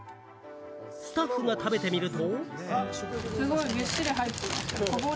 スタッフが食べてみると。